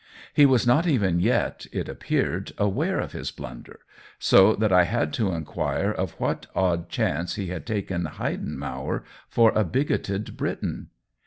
He was not even yet, it appeared, aware of his blunder, so that I had to inquire by what odd chance he had taken Heidenmauer for a bigoted Briton.